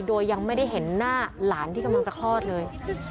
โดยยังไม่ได้เห็นหน้าหลานที่กำลังจะคลอดเลย